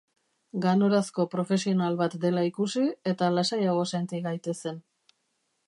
Ganorazko profesional bat dela ikusi eta lasaiago senti gaitezen.